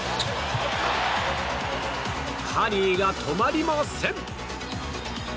カリーが止まりません。